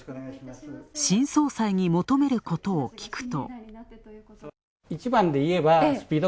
新総裁に求めることを聞くと。